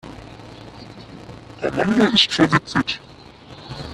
Amanda ist verwitwet.